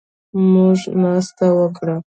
موږ ناسته وکړه